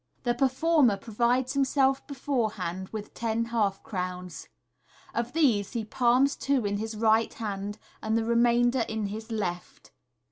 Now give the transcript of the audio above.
The performer provides himself beforehand with ten half crowns. Of these he palms two in his right hand, and the remainder in his left.